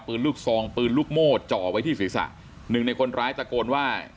ปืนลูกซองปืนลูกโม่จ่อไว้ที่ศีรษะหนึ่งในคนร้ายตะโกนว่า